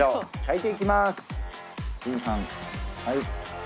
はい。